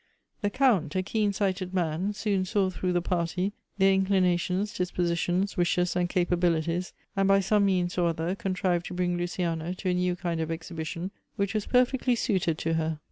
The Count, a keensighted man, soon saw through the party, their inclinations, dispositions, wishes, and capa bilities, and by some means or other contrived to bring Luciana to a new kind of exhibition, which was perfectly suited to her.